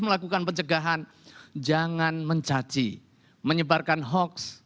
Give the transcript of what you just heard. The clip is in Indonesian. melakukan pencegahan jangan mencaci menyebarkan hoax